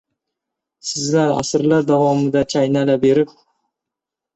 — Sizlar asrlar davomida chaynala berib